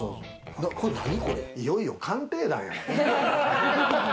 いよいよ鑑定団やな。